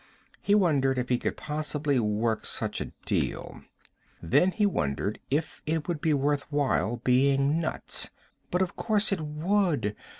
He wondered if he could possibly work such a deal. Then he wondered if it would be worth while, being nuts. But of course it would.